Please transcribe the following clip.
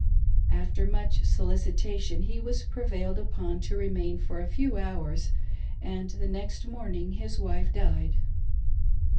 After much solicitation, he was prevailed upon to remain for a few hours, and the next morning his wife died.